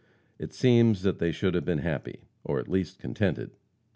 It seems that they should have been happy, or at least contented.